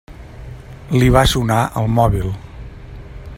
Li va sonar el mòbil.